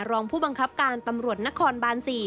รองผู้บังคับการตำรวจนครบาน๔